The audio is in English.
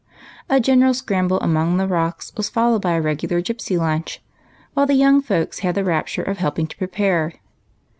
A general scramble among the rocks was followed by a regular gypsy lunch, which the young folks had the rapture of helping to prepare.